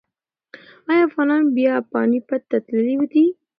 ایا افغانان بیا پاني پت ته تللي دي؟